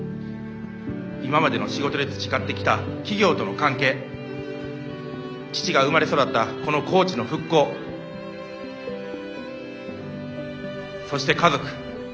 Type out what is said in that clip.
今までの仕事で培ってきた企業との関係父が生まれ育ったこの高知の復興そして家族。